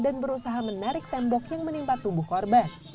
dan berusaha menarik tembok yang menimpa tubuh korban